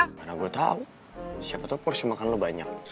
gimana gue tau siapa tau porsi makan lo banyak